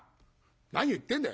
「何言ってんだよ。